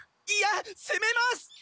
いやせめます！